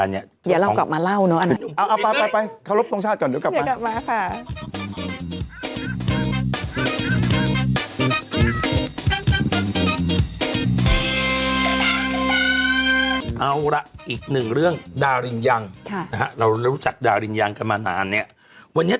เอาละอีกหนึ่งเรื่องดารินยังเรารู้จักดารินยังกันมานานเนี่ย